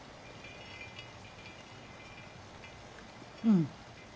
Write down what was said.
うん。